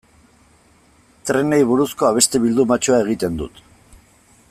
Trenei buruzko abesti bildumatxoa egiten dut.